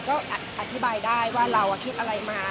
ก็อธิบายได้ว่าเราคิดอะไรมา